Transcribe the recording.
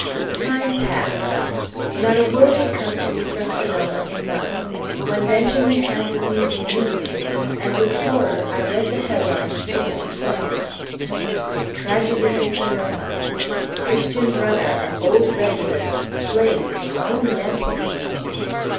Time passed. Not a word had come to me from Sonoma in months, when Benjamin handed me the Union, and with horror I read the headlines to which he pointed: "TRAGEDY IN SONOMA. CHRISTIAN BRUNNER, AN OLD RESIDENT, SLAYS HIS OWN NEPHEW!"